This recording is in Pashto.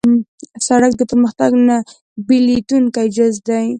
سړک د پرمختګ نه بېلېدونکی جز دی.